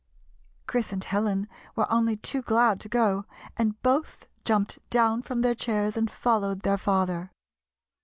Chris and Helen were only too glad to go, and both jumped down from their chairs and followed their father.